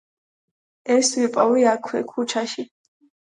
ეს ვიპოვე აქვე, ქუჩაში.